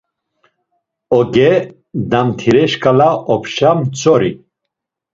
Oge damtire şǩala opşa mtzori.